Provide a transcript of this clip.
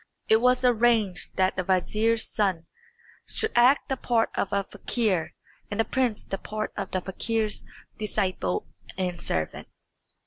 It was arranged that the vizier's son should act the part of a fakir and the prince the part of the fakir's disciple and servant.